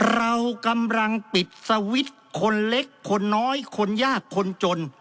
เรากำลังปิดสวิตช์คนเล็กคนน้อยคนยากคนจน